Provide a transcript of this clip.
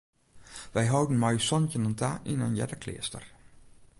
Wy holden mei ús santjinnen ta yn in earder kleaster.